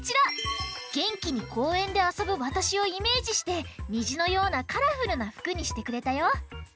げんきにこうえんであそぶわたしをイメージしてにじのようなカラフルなふくにしてくれたよ！